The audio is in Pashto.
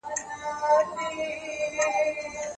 ژوند د الله د قدرت یو لوی معجزه ده.